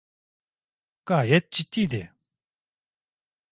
Gayet ciddiydi.